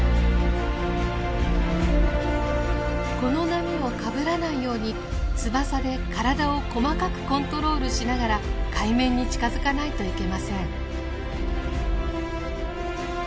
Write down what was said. この波をかぶらないように翼で体を細かくコントロールしながら海面に近づかないといけません。